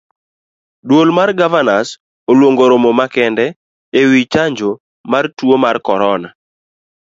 Duol mar gavanas oluongo romo makende ewii chanjo mar tuo mar corona.